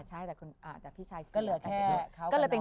ใช่แต่พี่ชายเสียชีวิตไปก่อน